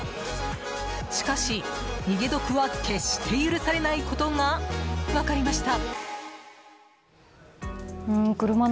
しかし、逃げ得は決して許されないことが分かりました。